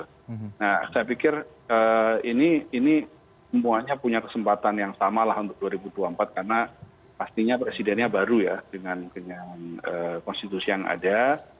nah saya pikir ini semuanya punya kesempatan yang sama lah untuk dua ribu dua puluh empat karena pastinya presidennya baru ya dengan konstitusi yang ada